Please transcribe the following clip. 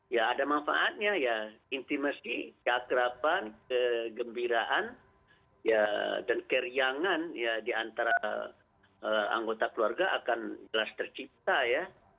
ya ada manfaatnya ya intimasi keakrapan kegembiraan dan keriangan ya diantara anggota keluarga akan jelas tercipta ya